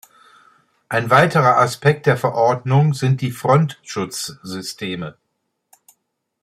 Ein weiterer Aspekt der Verordnung sind die Frontschutzsysteme.